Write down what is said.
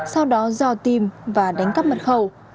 sau đó dò tìm và đánh cắp mật khẩu